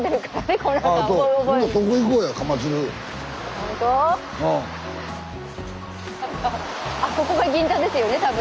釜鶴はここが銀座ですよね多分。